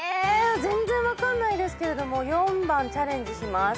全然分かんないですけれども４番チャレンジします。